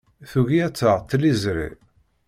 Tugi ad taɣ tliẓri.